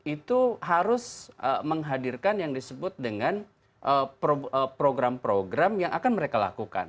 itu harus menghadirkan yang disebut dengan program program yang akan mereka lakukan